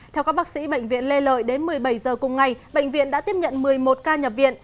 theo các bác sĩ bệnh viện lê lợi đến một mươi bảy h cùng ngày bệnh viện đã tiếp nhận một mươi một ca nhập viện